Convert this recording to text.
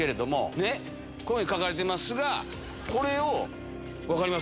ね、こういうふうに書かれてますが、これを、分かります？